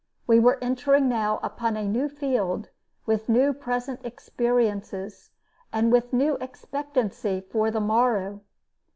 We were entering now upon a new field with new present experiences, and with new expectancy for the morrow.